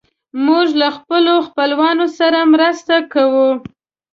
موږ له خپلو خپلوانو سره مرسته کوو.